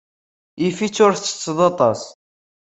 Yif-it ur tettetteḍ aṭas.